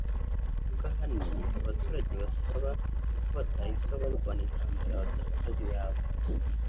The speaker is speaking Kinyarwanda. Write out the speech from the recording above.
kuko ahanini abaturage basaba ko batahita barwana intambara badafata nk’iyabo